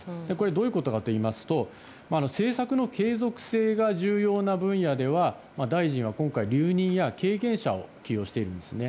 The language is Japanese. どういうことかといいますと政策の継続性が重要な分野では大臣は今回留任や経験者を起用しているんですね。